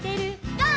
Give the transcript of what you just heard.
「ゴー！